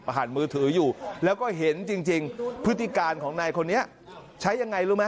หันมือถืออยู่แล้วก็เห็นจริงพฤติการของนายคนนี้ใช้ยังไงรู้ไหม